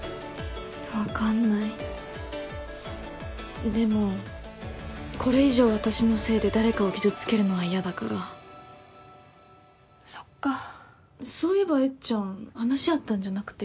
分かんないでもこれ以上私のせいで誰かを傷つけるのは嫌だからそっかそういえばえっちゃん話あったんじゃなくて？